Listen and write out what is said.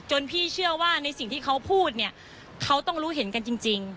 พี่เชื่อว่าในสิ่งที่เขาพูดเนี่ยเขาต้องรู้เห็นกันจริง